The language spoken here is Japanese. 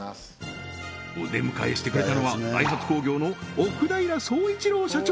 お出迎えしてくれたのはダイハツ工業の奥平総一郎社長！